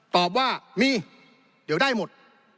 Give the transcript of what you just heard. ตอบว่ามีเดี๋ยวได้หมด